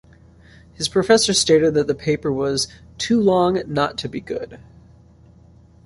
His professor stated that the paper was "too long not to be good".